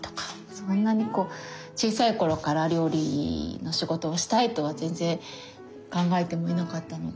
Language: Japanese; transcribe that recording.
そんなにこう小さい頃から料理の仕事をしたいとは全然考えてもいなかったので。